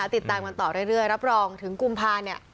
ติดตามกันต่อเรื่อยรับรองถึงกุมภาเนี่ย